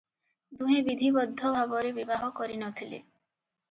ଦୁହେଁ ବିଧିବଦ୍ଧ ଭାବେ ବିବାହ କରିନଥିଲେ ।